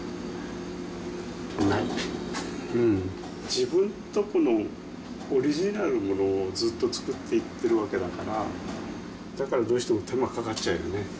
自分とこのオリジナルのものをずっと作っていってるわけだから、だから、どうしても手間かかっちゃうよね。